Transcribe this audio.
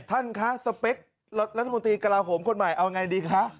ท่านคะสเปครัฐมนตรีกระลาโหมคนใหม่เอาไงดีคะ